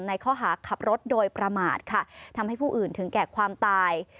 ในข้อหาขับรถโดยประมาทค่ะทำให้ผู้อื่นถึงแก่ความตาย